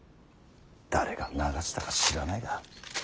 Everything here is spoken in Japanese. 誰が流したか知らないが。